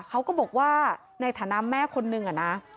เขาก็บอกว่าในฐานะแม่คนนึงอะนะ